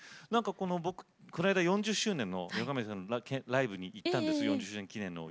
僕この間４０周年の横山剣さんのライブに行ったんです。